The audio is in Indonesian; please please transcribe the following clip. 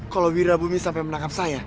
kalau bira bumi sampai menangkap saya